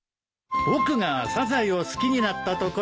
僕がサザエを好きになったところは。